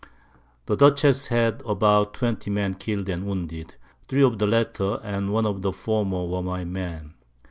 The Dutchess had about 20 Men killed and wounded, 3 of the latter and one of the former were my Men.